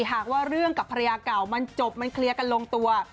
หากว่าเรื่องกับภรรยาเก่ามันจบมันเคลียร์กันลงตัว